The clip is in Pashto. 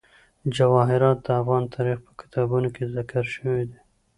جواهرات د افغان تاریخ په کتابونو کې ذکر شوی دي.